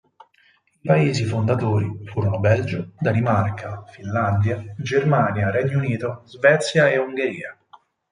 I paesi fondatori furono Belgio, Danimarca, Finlandia, Germania, Regno Unito, Svezia e Ungheria.